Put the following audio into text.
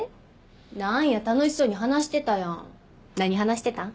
なんや楽しそうに話してたやん何話してたん？